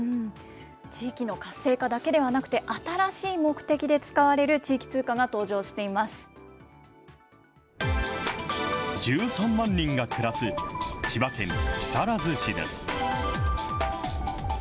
地域の活性化だけではなくて、新しい目的で使われる地域通貨が１３万人が暮らす、千葉県木更津市です。